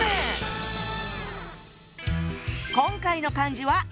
今回の漢字は。